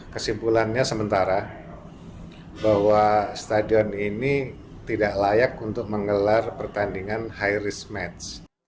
kesimpulannya sementara bahwa stadion ini tidak layak untuk menggelar pertandingan high risk match